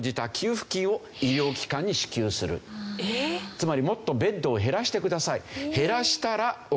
つまりもっとベッドを減らしてください。